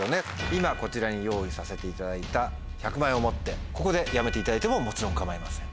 今こちらに用意させていただいた１００万円を持ってここでやめていただいてももちろん構いません。